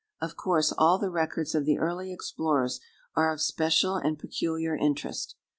Of course all the records of the early explorers are of special and peculiar interest.